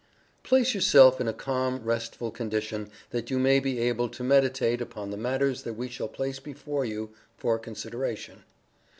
Place yourself in a calm, restful condition, that you may be able to meditate upon the matters that we shall place before you for consideration.